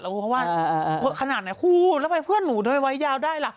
แล้วก็ว่าขนาดไหนคุณแล้วเพื่อนหนูทำไมไว้ยาวได้ล่ะ